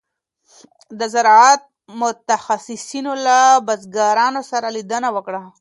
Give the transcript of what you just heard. د زراعت متخصصینو له بزګرانو سره لیدنه وکړه.